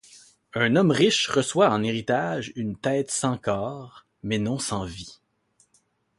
Un homme riche reçoit en héritage une tête sans corps mais non sans vie.